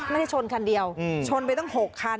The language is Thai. ไม่ได้ชนคันเดียวชนไปตั้งหกคัน